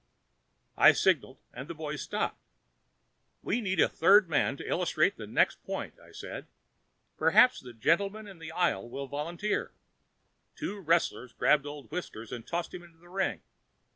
I signaled and the boys stopped. "We need a third man to illustrate the next point," I said. "Perhaps the gentleman in the aisle will volunteer." Two wrestlers grabbed Old Whiskers and tossed him into the ring.